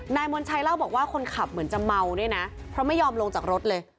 มณชัยเล่าบอกว่าคนขับเหมือนจะเมาด้วยนะเพราะไม่ยอมลงจากรถเลย